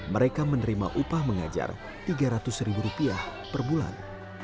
mereka menerima upah mengajar tiga ratus ribu rupiah per bulan